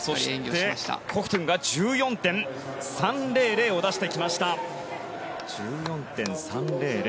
そしてコフトゥンが１４．３００を出してきました。１４．３００